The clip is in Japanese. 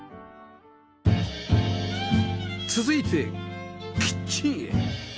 続いてキッチンへ